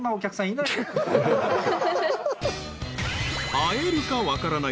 ［会えるか分からない